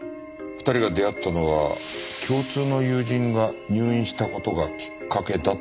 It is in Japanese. ２人が出会ったのは共通の友人が入院した事がきっかけだと言っていたな。